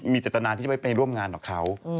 มีจตนาที่จะไปเป็นร่วมงานของเขา